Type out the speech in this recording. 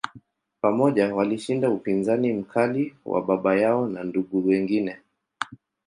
Pamoja, walishinda upinzani mkali wa baba yao na ndugu wengine.